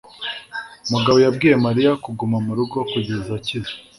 Mugabo yabwiye Mariya kuguma mu rugo kugeza akize.